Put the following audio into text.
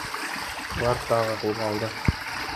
Улар тағы ҡуҙғалды.